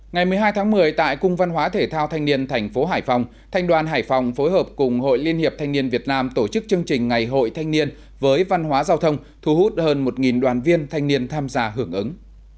ngày một mươi hai tháng một mươi tại cung văn hóa thể thao thanh niên thành phố hải phòng thanh đoàn hải phòng phối hợp cùng hội liên hiệp thanh niên việt nam tổ chức chương trình ngày hội thanh niên với văn hóa giao thông thu hút hơn một đoàn viên thanh niên tham gia hưởng ứng